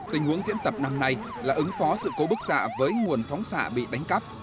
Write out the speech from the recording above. tình huống diễn tập năm nay là ứng phó sự cố bức xạ với nguồn phóng xạ bị đánh cắp